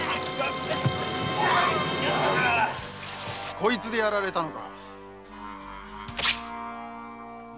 こいつでやられたんだ。